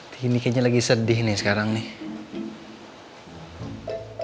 tini kayaknya sedih nih sekarang nih